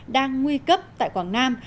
đang nguy cấp tại quảng nam